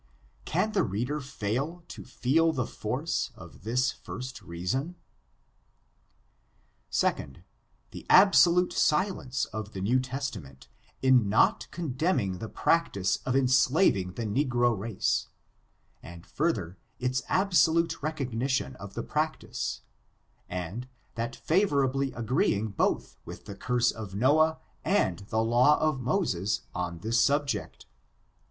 Can the reader fail to feel the force of this first reason? 2d. The absolute silence of the New Testament, in not condemning the practice of enslaving the ne gro race ; and, further, its absolute recognition of the practice, and that favorably agreeing both with the curse of Noah and the law of Moses on this subject.